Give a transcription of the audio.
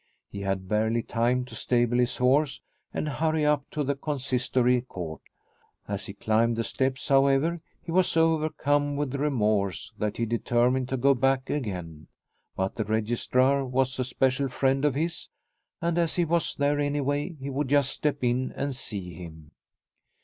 He had barely time to stable his horse and hurry up to the Consistory Court. As he climbed the steps, however, he was so overcome with remorse that he determined to go back again. But the registrar was a special friend of his, and as he was there any way, he would just step in and see him.